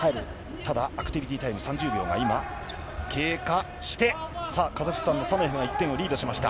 ただアクティビティータイム３０秒が今、経過して、さあ、カザフスタンのサナエフが１点をリードしました。